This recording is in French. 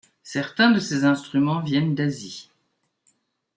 Certains de ces instruments viennent d'Asie.